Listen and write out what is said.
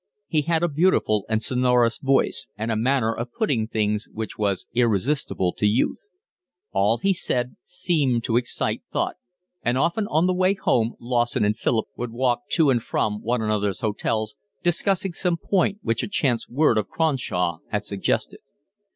He had a beautiful and a sonorous voice, and a manner of putting things which was irresistible to youth. All he said seemed to excite thought, and often on the way home Lawson and Philip would walk to and from one another's hotels, discussing some point which a chance word of Cronshaw had suggested.